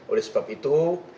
oleh sebab itu